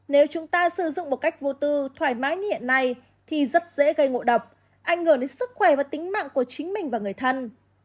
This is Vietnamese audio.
nếu chúng ta sử dụng một cách vô tư thoải mái như hiện nay thì rất dễ gây ngộ độc ảnh hưởng đến sức khỏe và tính mạng của chính mình và người thân